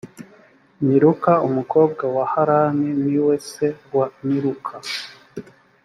miluka umukobwa wa harani ni we se wa miluka